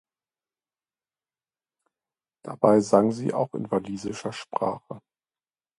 Dabei sang sie auch in walisischer Sprache.